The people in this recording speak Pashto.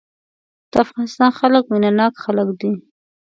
د افغانستان خلک مينه ناک خلک دي.